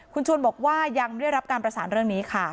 คุณชวนบอกว่ายังไม่ได้รับการประสานเรื่องนี้ค่ะ